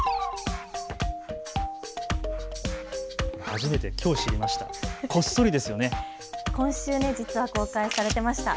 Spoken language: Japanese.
初めて、きょう知りました。